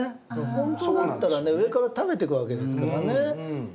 本当だったらね上から食べてくわけですからね。